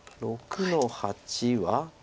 ６の八は。